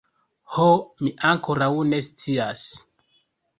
Ho, mi ankoraŭ ne scias.